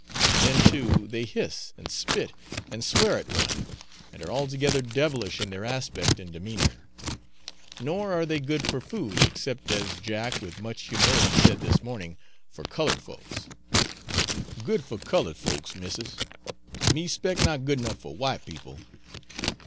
Then too, they hiss, and spit, and swear at one, and are altogether devilish in their aspect and demeanour; nor are they good for food, except, as Jack with much humility said this morning, for coloured folks 'Good for coloured folks, missis; me 'spect not good enough for white people.'